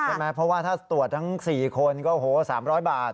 ใช่ไหมเพราะว่าถ้าตรวจทั้ง๔คนก็โอ้โห๓๐๐บาท